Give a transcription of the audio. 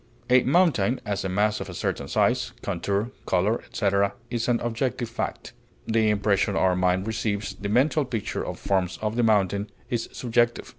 A mountain, as a mass of a certain size, contour, color, etc., is an objective fact; the impression our mind receives, the mental picture it forms of the mountain, is subjective.